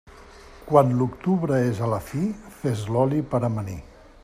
Quan l'octubre és a la fi, fes l'oli per amanir.